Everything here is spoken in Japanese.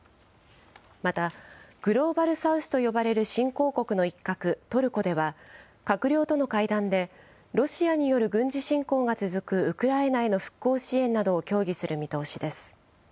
また、グローバル・サウスと呼ばれる新興国の一角、トルコでは、閣僚との会談で、ロシアによる軍事侵攻が続くウクライナへの復興支援などを協議する見通しです。